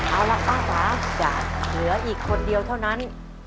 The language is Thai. เอาล่ะป้าจ๋าเหลืออีกคนเดียวเท่านั้น